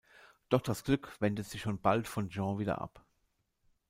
Doch das Glück wendet sich schon bald von Jean wieder ab.